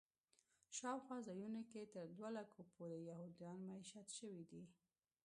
شاوخوا ځایونو کې تر دوه لکو پورې یهودان میشت شوي دي.